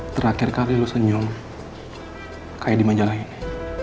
terakhir kali lo senyum kayak di majalah ini